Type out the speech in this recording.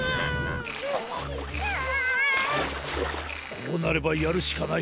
こうなればやるしかない。